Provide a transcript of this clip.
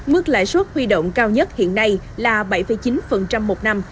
mức lãi suất huy động cao nhất hiện nay là bảy chín một năm